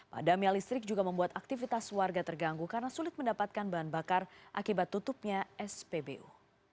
padamnya listrik juga membuat aktivitas warga terganggu karena sulit mendapatkan bahan bakar akibat tutupnya spbu